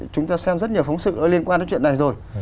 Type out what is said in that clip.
chúng ta xem rất nhiều phóng sự liên quan đến chuyện này rồi